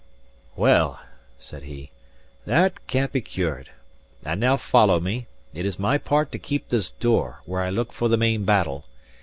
"Well," said he, "that can't be cured. And now follow me. It is my part to keep this door, where I look for the main battle.